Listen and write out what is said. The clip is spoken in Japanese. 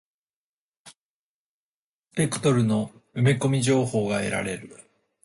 スペクトルの埋め込み情報が得られる。